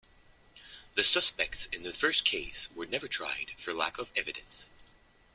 The suspects in the first case were never tried, for lack of evidence.